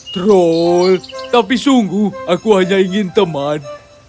troll tapi sungguh aku hanya ingin teman